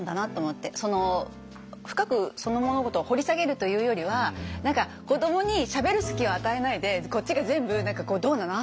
深くその物事を掘り下げるというよりは何か子どもにしゃべる隙を与えないでこっちが全部何かこう「どうなの？